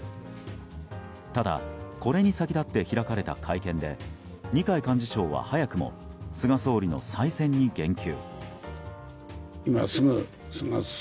ただ、これに先立って開かれた会見で二階幹事長は早くも菅総理の再選に言及。